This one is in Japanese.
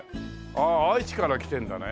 ああ愛知から来てるんだね。